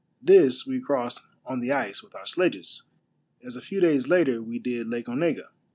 Ihis we crossed on the ice with our sledges, as a few days later we did Lake Onega.